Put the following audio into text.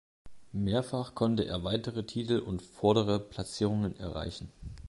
Mehrfach konnte er weitere Titel und vordere Platzierungen erreichen.